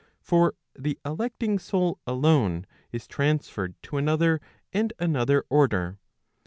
For the electing soul alone, is transferred to another and another order.